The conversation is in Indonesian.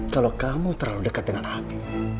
kalau kamu terlalu dekat dengan hati